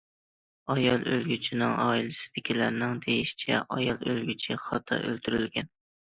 ئايال ئۆلگۈچىنىڭ ئائىلىسىدىكىلەرنىڭ دېيىشىچە ئايال ئۆلگۈچى خاتا ئۆلتۈرۈلگەن.